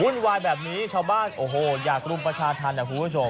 วุ่นวายแบบนี้ชาวบ้านโอ้โหอย่างกลุ่มประชาธรณอะผู้ชม